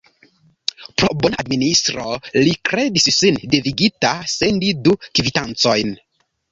Pro bona administro, li kredis sin devigita sendi du kvitancojn!